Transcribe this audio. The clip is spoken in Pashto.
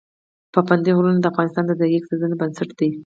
پابندی غرونه د افغانستان د ځایي اقتصادونو بنسټ دی.